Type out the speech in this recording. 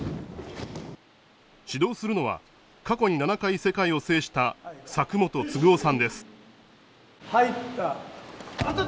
指導するのは過去に７回世界を制した佐久本嗣男さんです入った。